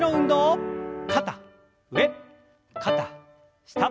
肩上肩下。